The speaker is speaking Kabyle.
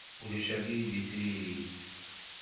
Ulac abrid i tririt.